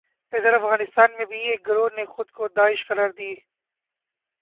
ادھر افغانستان میں بھی ایک گروہ نے خود کو داعش قرار دے